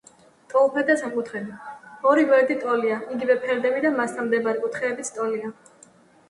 ტოლფერდა სამკუთხედი: ორი გვერდი ტოლია, იგივე ფერდები და მასთან მდებარე კუთხეებიც ტოლია.